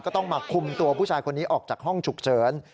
ก็ต้องมาคุมตัวผู้ชายคนนี้ออกจากห้องฉุกเฉิน